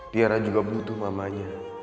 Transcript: tiara juga butuh mamanya